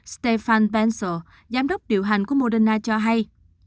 stefan pencil giám đốc điều hành của moderna cho hay